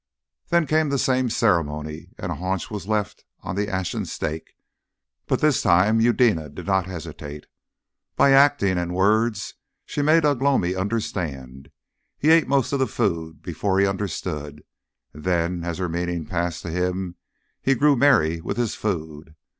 Then came the same ceremony, and a haunch was left on the ashen stake; but this time Eudena did not hesitate. By acting and words she made Ugh lomi understand, but he ate most of the food before he understood; and then as her meaning passed to him he grew merry with his food.